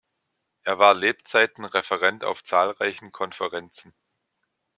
Er war Lebzeiten Referent auf zahlreichen Konferenzen.